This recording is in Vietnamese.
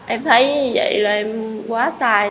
em thấy như vậy là em quá sai